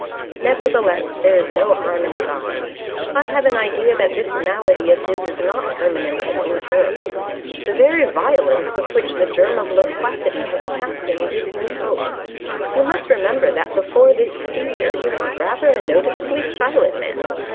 "Nevertheless, there is no harm in trying. I have an idea that this malady of his is not permanent and incurable. The very violence with which the germ of loquacity has attacked him gives me hope. You must remember that before this seizure he was rather a noticeably silent man.